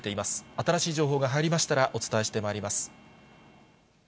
新しい情報が入りましたらお伝えしてまいります。